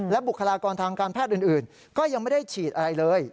บุคลากรทางการแพทย์อื่นก็ยังไม่ได้ฉีดอะไรเลย